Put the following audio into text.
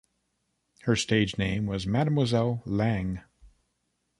Her stage name was Mademoiselle Lange.